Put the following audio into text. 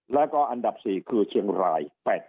แล้วก็อันดับ๔คือเชียงราย